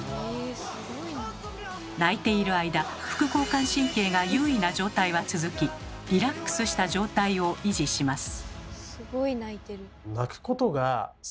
泣いている間副交感神経が優位な状態は続き「リラックスした状態」を維持します。